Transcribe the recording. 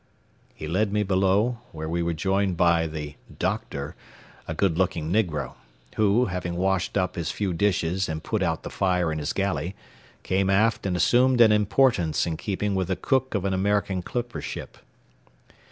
He led me below, where we were joined by the "doctor," a good looking negro, who, having washed up his few dishes and put out the fire in his galley, came aft and assumed an importance in keeping with a cook of an American clipper ship.